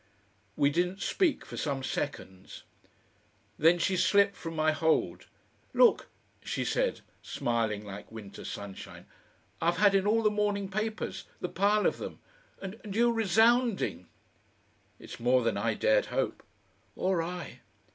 We didn't speak for some seconds. Then she slipped from my hold. "Look!" she said, smiling like winter sunshine. "I've had in all the morning papers the pile of them, and you resounding." "It's more than I dared hope." "Or I."